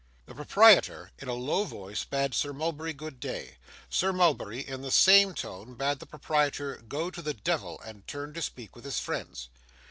The proprietor, in a low voice, bade Sir Mulberry good day. Sir Mulberry, in the same tone, bade the proprietor go to the devil, and turned to speak with his friends.